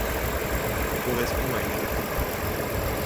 Il correspond à une note isolée.